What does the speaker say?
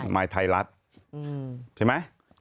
มายไทยรัฐใช่ไหม